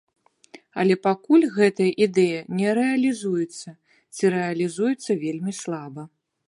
Але пакуль гэтая ідэя не рэалізуецца, ці рэалізуецца вельмі слаба.